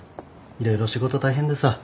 色々仕事大変でさ